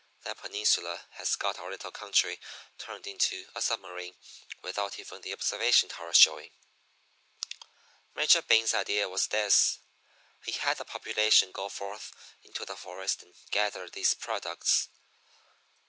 That peninsula has got our little country turned into a submarine without even the observation tower showing. "Major Bing's idea was this. He had the population go forth into the forest and gather these products.